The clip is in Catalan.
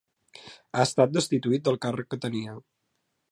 Ha estat destituït del càrrec que tenia.